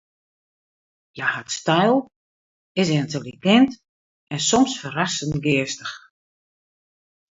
Hja hat styl, is yntelligint en soms ferrassend geastich.